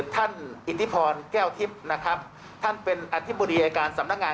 ท่านอิทธิพรแก้วทิพย์นะครับท่านเป็นอธิบดีอายการสำนักงาน